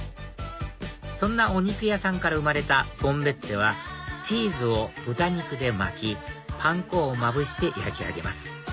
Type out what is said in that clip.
そんなお肉屋さんから生まれたボンベッテはチーズを豚肉で巻きパン粉をまぶして焼き上げます